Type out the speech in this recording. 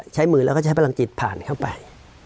ใช้มือแล้วก็ใช้พลังจิตผ่านเข้าไป